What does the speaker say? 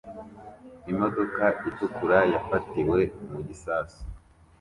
Imodoka itukura yafatiwe mu gisasu